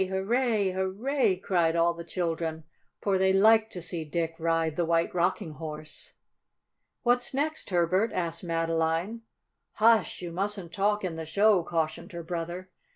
Hurray! Hurray!" cried all the children, for they liked to see Dick ride the White Rocking Horse. "What's next, Herbert?" asked Madeline. "Hush, you mustn't talk in the show," cautioned her brother.